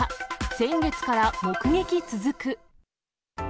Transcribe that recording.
先月から目撃続く。